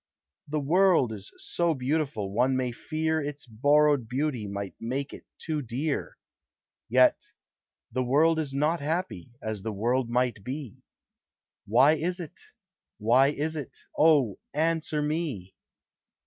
The world is so beautiful one may fear Its borrowed beauty might make it too dear, Yet the world is not happy, as the world might be Why is it? why is it? Oh, answer me!